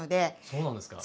そうなんですか。